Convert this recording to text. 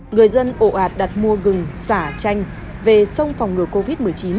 người dân ộ ạt đặt mua gừng xả chanh về sông phòng ngừa covid một mươi chín